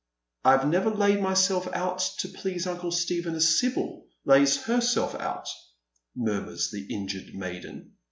" I have never laid myself out to please uncle Stephen as Sibyl lays herself out," murmurs the injured maiden.